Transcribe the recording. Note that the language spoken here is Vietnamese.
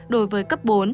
đối với cấp bốn